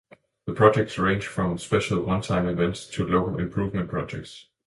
The projects ranged from special one-time events to local improvement projects.